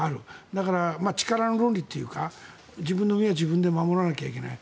だから力の論理というか自分の身は自分で守らなきゃいけない。